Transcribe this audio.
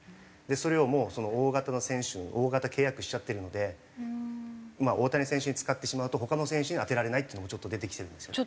それをもう大型の選手大型契約しちゃってるので大谷選手に使ってしまうと他の選手に充てられないっていうのもちょっと出てきてるんですよね。